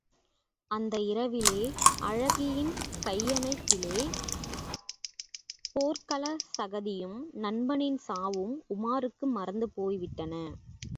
அந்த இரவிலே அழகியின் கையணைப்பிலே, போர்க்களச் சகதியும், நண்பனின் சாவும் உமாருக்கு மறந்து போய்விட்டன.